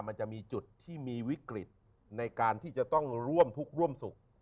มันจะมีจุดที่มีวิกฤตในการที่จะต้องร่วมทุกข์ร่วมสุข